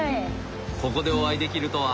ここでお会いできるとは。